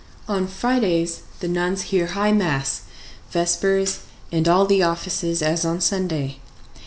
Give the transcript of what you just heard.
On Fridays the nuns hear high mass, vespers, and all the offices, as on Sunday.